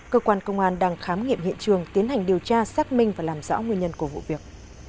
cơ quan công an đang khám nghiệm hiện trường tiến hành điều tra xác minh và làm rõ nguyên nhân của vụ việc